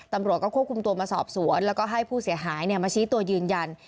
ตำรวจก็ควบคุมตัวมาสอบสวนแล้วก็ให้ผู้เสียหายมาชี้ตัวยืนยัน